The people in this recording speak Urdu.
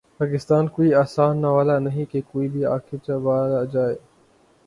پاکستان کوئی آسان نوالہ نہیں کہ کوئی بھی آ کے چبا جائے۔